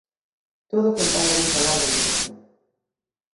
Todo con tal de non falar de educación.